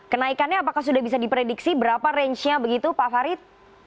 kenaikannya apakah sudah bisa diprediksi berapa range nya begitu pak farid